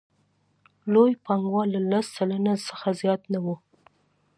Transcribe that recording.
لوی پانګوال له لس سلنه څخه زیات نه وو